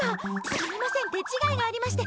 すみません、手違いがありまして。